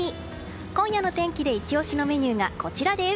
今夜の天気でイチ押しのメニューがこちらです。